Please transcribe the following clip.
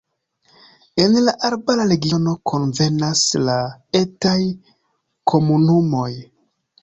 En la arbara regiono konvenas la etaj komunumoj.